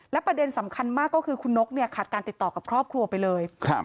ประเด็นสำคัญมากก็คือคุณนกเนี่ยขาดการติดต่อกับครอบครัวไปเลยครับ